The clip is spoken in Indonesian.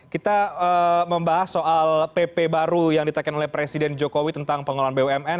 kita membahas soal pp baru yang ditekan oleh presiden jokowi tentang pengelolaan bumn